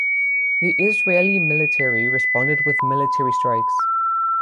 The Israeli military responded with military strikes.